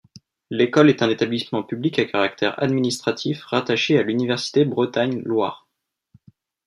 L’école est un établissement public à caractère administratif rattaché à l’université Bretagne Loire.